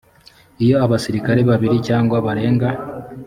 iyo abasirikare babiri cyangwa barenga